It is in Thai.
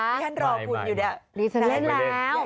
นี่ฉันเล่นแล้ว